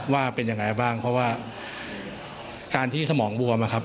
ว่าเป็นยังไงบ้างเพราะว่าการที่สมองบวมอะครับ